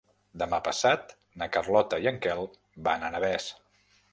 Demà passat na Carlota i en Quel van a Navès.